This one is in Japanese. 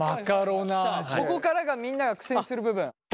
ここからがみんなが苦戦する部分。